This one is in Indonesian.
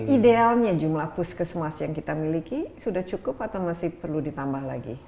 idealnya jumlah puskesmas yang kita miliki sudah cukup atau masih perlu ditambah lagi